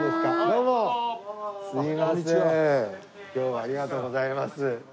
今日はありがとうございます。